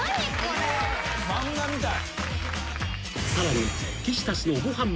［さらに］